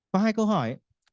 có hai câu hỏi